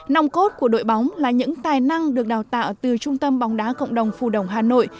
nòng cốt của đội bóng là những tài năng được đào tạo từ trung tâm bóng đá cộng đồng phù đồng hà nội